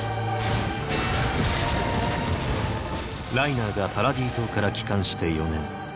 ⁉ライナーがパラディ島から帰還して４年。